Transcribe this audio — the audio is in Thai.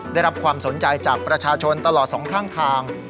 ได้รับความสนใจจากประชาชนตลอดสองข้างทาง